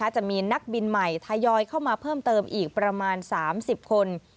จะมีนักบินใหม่ทยอยเข้ามาเพิ่มเติมอีกประมาณ๓๐คน